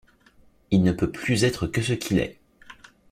Il ne peut plus être que ce qu’il est.